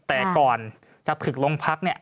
แต่ก่อนจับถึกโรงพักษณ์